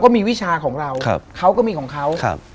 เขาก็มีของเขา